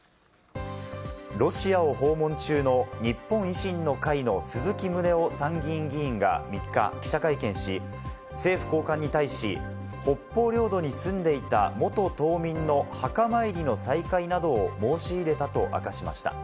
ロシアを訪問中の日本維新の会の鈴木宗男参議院議員が３日、記者会見し、政府高官に対し、北方領土に住んでいた元島民の墓参りの再開などを申し入れたと明かしました。